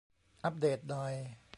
อัปเดตหน่อย